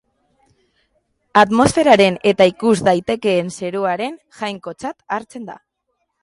Atmosferaren eta ikus daitekeen zeruaren jainkotzat hartzen da.